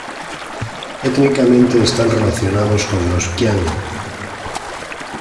Étnicamente están relacionados con los qiang.